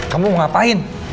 kamu mau ngapain